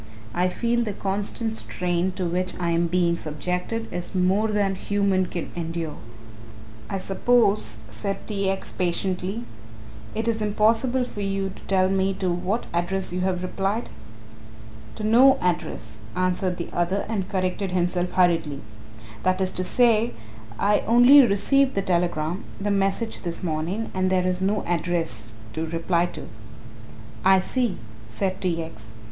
I feel the constant strain to which I am being subjected is more than human can endure." "I suppose," said T. X. patiently, "it is impossible for you to tell me to what address you have replied?" "To no address," answered the other and corrected himself hurriedly; "that is to say I only received the telegram the message this morning and there is no address to reply to." "I see," said T. X.